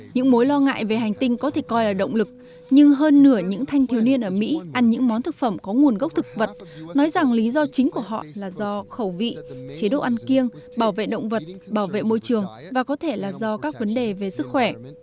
những mối lo ngại về hành tinh có thể coi là động lực nhưng hơn nửa những thanh thiếu niên ở mỹ ăn những món thực phẩm có nguồn gốc thực vật nói rằng lý do chính của họ là do khẩu vị chế độ ăn kiêng bảo vệ động vật bảo vệ môi trường và có thể là do các vấn đề về sức khỏe